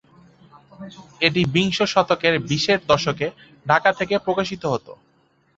এটি বিংশ শতকের বিশের দশকে ঢাকা থেকে প্রকাশিত হত।